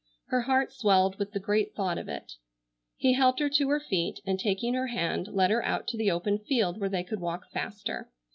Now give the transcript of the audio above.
Her heart swelled with the great thought of it. He helped her to her feet and taking her hand led her out to the open field where they could walk faster.